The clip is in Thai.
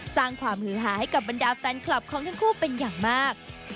สร้างความหือหาให้กับบรรดาแฟนคลับของทั้งคู่เป็นอย่างมาก